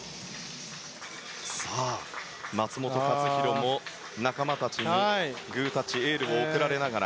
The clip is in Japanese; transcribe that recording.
松元克央も仲間たちにグータッチエールを送られながら。